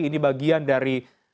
ini bagian dari